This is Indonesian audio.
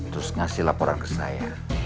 terus ngasih laporan ke saya